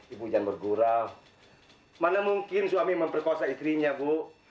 ibu jangan bergurau mana mungkin suami memperkosa istrinya bu